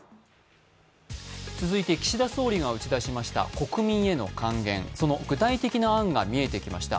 続いて、岸田総理が打ち出しました国民への還元、その具体的な案が見えてきました。